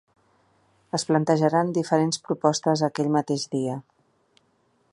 Es plantejaran diferents propostes aquell mateix dia.